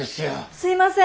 すいません！